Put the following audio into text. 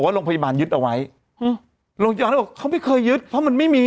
ไม่มีอะไรเลยผมก็ถามว่า